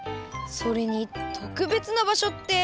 それにとくべつな場所って。